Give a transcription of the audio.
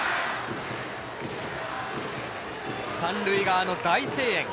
三塁側の大声援。